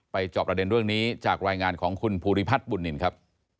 จอบประเด็นเรื่องนี้จากรายงานของคุณภูริพัฒน์บุญนินครับ